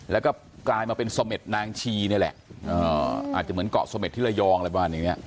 แล้วก็กลายมาเป็นเสม็ดนางชีนี่แหละอาจจะเหมือนเกาะเสม็ดที่ระยองอะไรประมาณอย่างนี้